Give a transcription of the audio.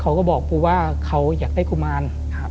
เขาก็บอกปูว่าเขาอยากได้กุมาร